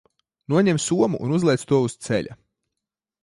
Noņem somu un uzliec to uz ceļa.